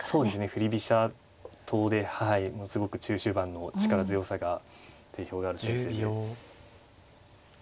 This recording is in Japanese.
振り飛車党ではいすごく中終盤の力強さが定評がある先生で。